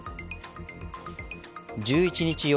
１１日夜